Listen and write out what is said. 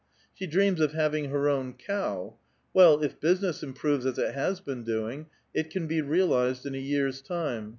She dreams of having her own cow ; well, if business improves as it has been doing, it can be realized in a year's time.